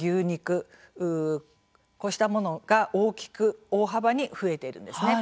こうしたものが大きく大幅に増えているんですね。